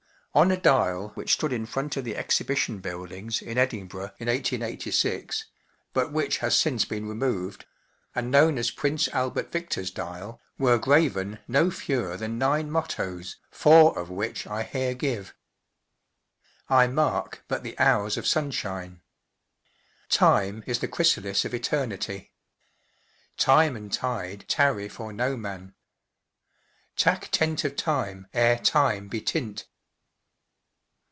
On a dial which stood in front of the Exhibi¬ tion Buildings in Edin¬ burgh in 1886 (but which has since been removed), and known as Prince Albert Victor’s dial, were graven no fewer than nine mottoes, four of which I here give :— I mark but the hour* of sunshine. Time is the chrysalis of eternity. Time and tide tarn for no man. Tak tent of time ere time lie tint.